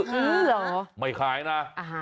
คือเหรอไม่ค้ายนะ